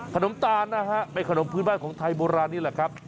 ตาลนะฮะเป็นขนมพื้นบ้านของไทยโบราณนี่แหละครับ